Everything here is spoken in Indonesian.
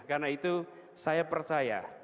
karena itu saya percaya